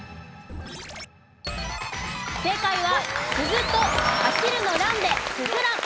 正解は「鈴」と走るの「ラン」ですずらん。